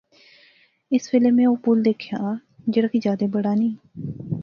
اس ویلے میں او پل دکھیا جیہڑا کی جادے بڑا نئیں